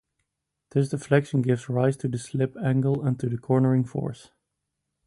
This deflection gives rise to the slip angle, and to the cornering force.